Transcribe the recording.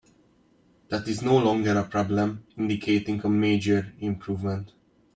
That is no longer a problem, indicating a major improvement.